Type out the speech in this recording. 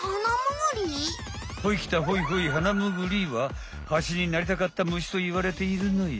ほいきたほいほいハナムグリはハチになりたかった虫といわれているのよ。